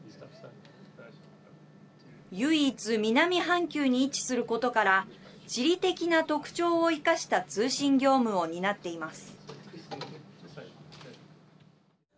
唯一、南半球に位置することから地理的な特徴をいかした通信業務を担っています。